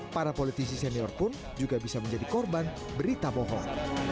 para politisi senior pun juga bisa menjadi korban berita bohong